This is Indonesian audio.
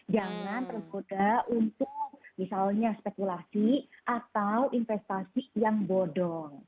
jangan tergoda untuk misalnya spekulasi atau investasi yang bodong